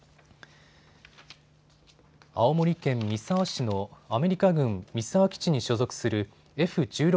青森県三沢市のアメリカ軍三沢基地に所属するＦ１６